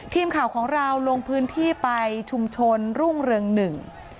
ทีมข่าวของเราลงพื้นที่ไปชุมชนรุ่งเรืองหนึ่ง